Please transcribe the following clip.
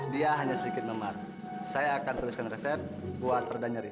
dia hanya sedikit memat saya akan tuliskan resep buat perdanyerin